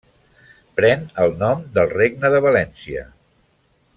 Pren el nom del Regne de València.